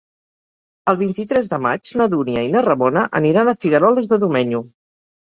El vint-i-tres de maig na Dúnia i na Ramona aniran a Figueroles de Domenyo.